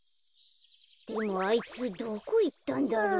でもあいつどこいったんだろう。